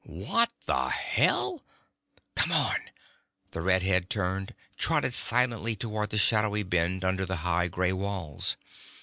"What the hell...!" "Come on!" The red head turned, trotted silently toward the shadowy bend under the high grey walls.